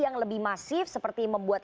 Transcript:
yang lebih masif seperti membuat